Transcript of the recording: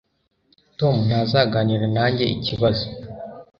Tom ntazaganira nanjye ikibazo.